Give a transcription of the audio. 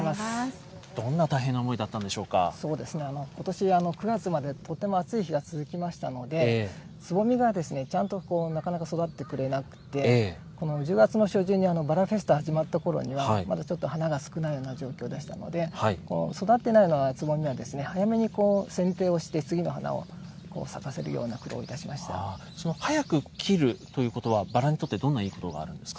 どんな大変な思いだったんでそうですね、ことし９月までとても暑い日が続きましたので、つぼみがちゃんとなかなか育ってくれなくて、１０月の初旬にバラフェスタが始まったころにはまだちょっと花が少ないような状況でしたので、育ってないつぼみは早めにせんていをして次の花を咲かせるようなその早く切るということは、バラにとってどんないいことがあるんですか。